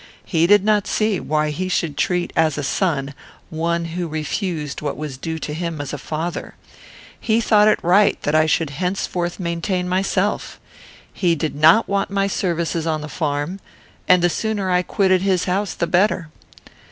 He did not see why he should treat as a son one who refused what was due to him as a father. He thought it right that I should henceforth maintain myself. He did not want my services on the farm, and the sooner I quitted his house the better.